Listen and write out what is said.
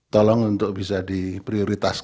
tolong untuk bisa diprioritaskan